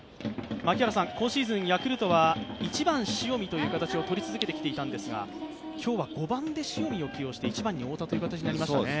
今シーズンヤクルトは１番・塩見という形を取り続けてきたんですが、今日は５番で塩見を起用して１番に太田ということになりましたね。